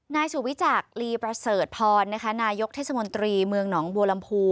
นายสุวิจักรลีประเสริฐพรนะคะนายกเทศมนตรีเมืองหนองบัวลำพู